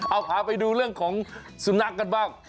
เอาพาไปดูเรื่องของสุนัขกันบ้าง